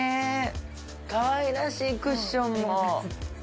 かわいらしい、クッションも。